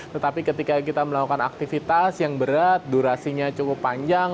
tetapi ketika kita melakukan aktivitas yang berat durasinya cukup panjang